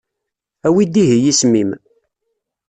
Awi-d ihi isem-im.